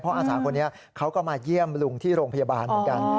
อาสาคนนี้เขาก็มาเยี่ยมลุงที่โรงพยาบาลเหมือนกัน